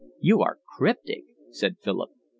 "You are cryptic," said Philip.